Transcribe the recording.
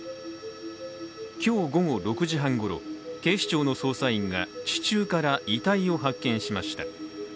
今日午後６時半ごろ、警視庁の捜査員が地中から遺体を発見しました。